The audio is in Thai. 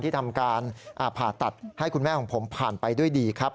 ที่ทำการผ่าตัดให้คุณแม่ของผมผ่านไปด้วยดีครับ